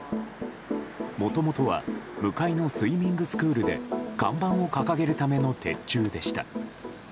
もともとは向かいのスイミングスクールで看板を掲げるための鉄柱でした。